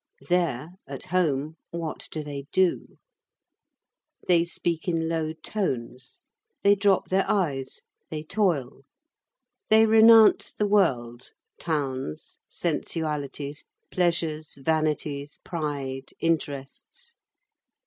There, at home, what do they do? They speak in low tones; they drop their eyes; they toil. They renounce the world, towns, sensualities, pleasures, vanities, pride, interests.